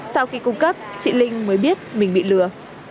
sau khi cung cấp chị linh mới biết mình bị lừa